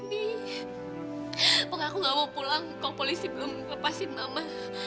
aku gak mau pulang kok polisi belum lepasin mama